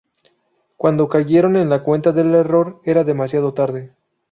Cuando cayeron en la cuenta del error era demasiado tarde.